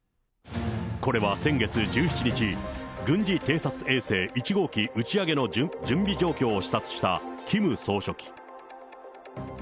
これは先月１７日、軍事偵察衛星１号機打ち上げの準備状況を視察したキム総書記。